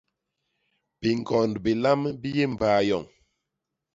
Biñgond bilam bi yé mbay yoñ.